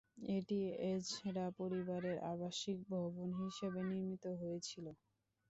এটি এজরা পরিবারের আবাসিক ভবন হিসাবে নির্মিত হয়েছিল।